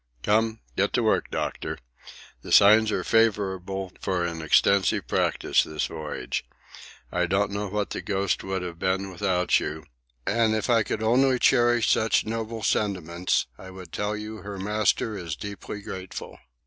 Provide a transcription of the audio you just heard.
"Come, get to work, Doctor. The signs are favourable for an extensive practice this voyage. I don't know what the Ghost would have been without you, and if I could only cherish such noble sentiments I would tell you her master is deeply grateful."